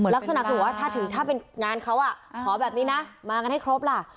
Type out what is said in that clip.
เหมือนเป็นรางลักษณะถึงถ้าเป็นงานเขาอ่ะขอแบบนี้นะมากันให้ครบล่ะ